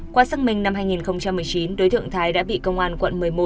qua xác minh năm hai nghìn một mươi chín đối tượng thái đã bị công an quận một mươi một